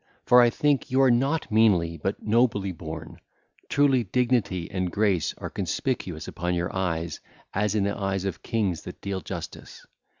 For I think you are not meanly but nobly born; truly dignity and grace are conspicuous upon your eyes as in the eyes of kings that deal justice.